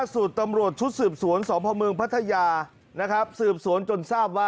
ก็จะเป็น